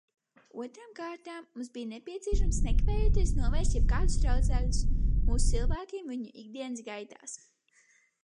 Otrām kārtām mums būtu nepieciešams nekavējoties novērst jebkādus traucēkļus mūsu cilvēkiem viņu ikdienas gaitās.